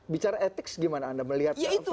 bicara etik gimana anda melihatnya